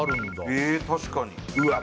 えー確かにうわっ